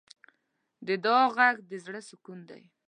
د دعا غږ د زړۀ سکون دی.